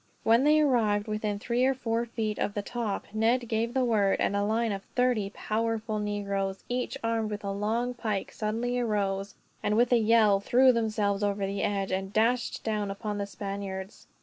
When they arrived within three or four feet of the top, Ned gave the word; and a line of thirty powerful negroes, each armed with a long pike, suddenly arose and, with a yell, threw themselves over the edge and dashed down upon the Spaniards.